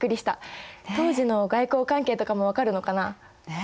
当時の外交関係とかも分かるのかな？ね。